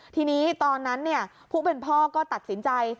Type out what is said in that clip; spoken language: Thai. ทีนี้ตอนนั้นผู้เป็นพ่อก็ตัดสินใจ